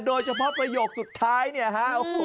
โดยเฉพาะประโยคสุดท้ายนี่โอ้โฮ